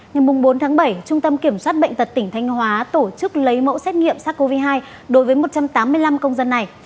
ngày bốn bảy trung tâm kiểm soát bệnh tật tỉnh thanh hóa tổ chức lấy mẫu xét nghiệm sars cov hai đối với một trăm tám mươi năm công dân này